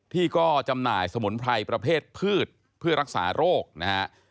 ที่ก็จำหน่ายสมุนไพรประเภทพืชเพื่อรักษาโรคนะฮะ